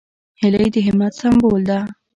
هیلۍ د همت سمبول ده